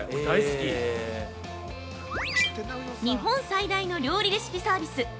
◆日本最大の料理レシピサービス